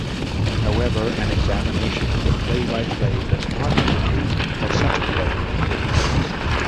However, an examination of the play-by-play does not indicate that such a play occurred.